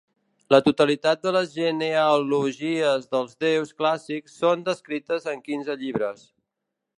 La totalitat de les genealogies dels Déus clàssics són descrites en quinze llibres.